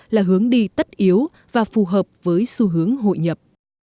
là hướng đi tất yếu và phù hợp với xu hướng hội nhập